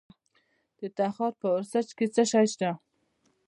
د تخار په ورسج کې څه شی شته؟